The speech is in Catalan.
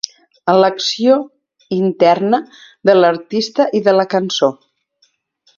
Elecció interna de l'artista i de la cançó.